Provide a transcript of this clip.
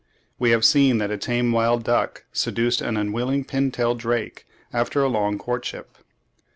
We have seen that a tame wild duck seduced an unwilling pintail drake after a long courtship.